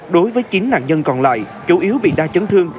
đối với chín nạn nhân còn lại chủ yếu bị đa chấn thương